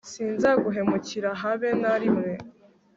sinzaguhemukira habe na limwe